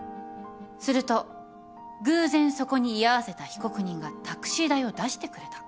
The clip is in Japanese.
すると偶然そこに居合わせた被告人がタクシー代を出してくれた。